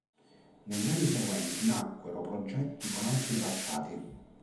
Negli anni seguenti nacquero progetti con altri tracciati.